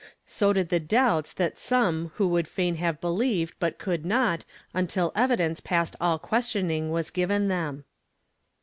So did the doubts that some who would fain have believed but could not, until evidence past all questioning was given them.